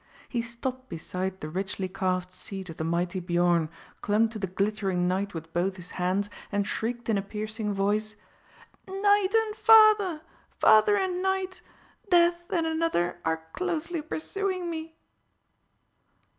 He stopped beside the richly carved seat of the mighty Biorn, clung to the glittering knight with both his hands, and shrieked in a piercing voice, "Knight and father! father and knight! Death and another are closely pursuing me!"